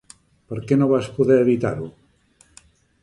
Per què no vas poder evitar-ho?